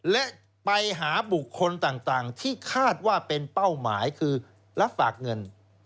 และไปหาบุคคลต่างที่คาดว่าเป็นเป้าหมายคือรับฝากเงิน